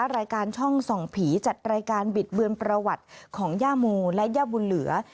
รายการช่องส่องผีจัดรายการบิดเบือนประวัติของย่าโมและย่าบุญเหลือ